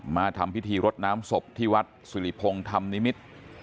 มาทำพิธีรดน้ำศพที่วัดสุริพงศ์ธรรมนิมิตร